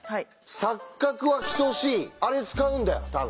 「錯角は等しい」あれ使うんだよ多分。